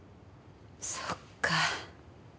そっか。